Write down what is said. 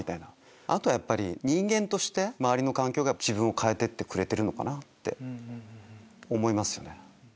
あとは人間として周りの環境が自分を変えてくれてるのかなって思いますよね。